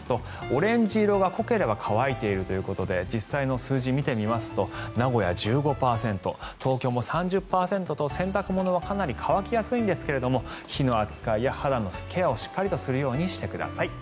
最小湿度、オレンジ色が濃ければ乾いているということで実際の数字を見てみますと名古屋１５％、東京も３０％と洗濯物はかなり乾きやすいんですが火の扱いや肌のケアをしっかりするようにしてください。